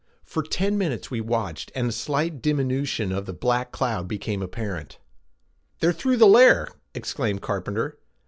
For ten minutes we watched and a slight diminution of the black cloud became apparent. "They're through the layer," exclaimed Carpenter.